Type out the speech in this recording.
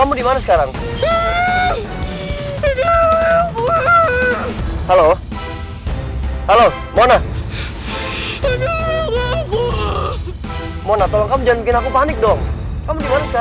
mereka tuh mau tuduh